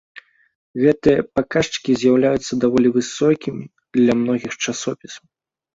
Гэтыя паказчыкі з'яўляюцца даволі высокімі для многіх часопісаў.